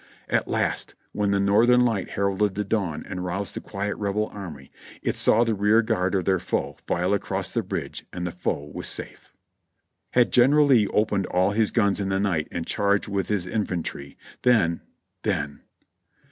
At last, when the northern light heralded the dawn and roused the quiet Rebel army, it saw the rear guard of their foe file across the bridge and the foe was safe. Had General Lee opened all his guns in the night and charged with his infantry — then — then